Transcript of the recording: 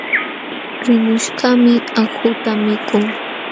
Rinqushkaqmi akhuta mikun.